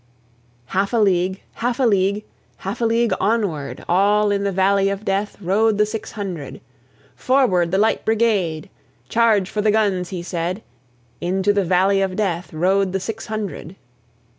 Half a league, half a league, Half a league onward, All in the valley of Death Rode the six hundred. "Forward, the Light Brigade! Charge for the guns!" he said: Into the valley of Death Rode the six hundred.